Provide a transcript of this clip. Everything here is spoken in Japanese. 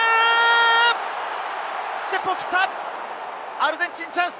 アルゼンチン、チャンス！